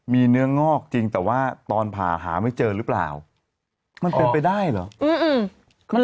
มีเนื้องอกจริงแต่ว่าตอนผ่าหาไม่เจอหรือเปล่ามันเป็นไปได้เหรอ